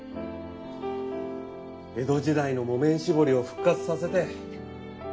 江戸時代の木綿しぼりを復活させて。